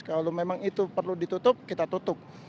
kalau memang itu perlu ditutup kita tutup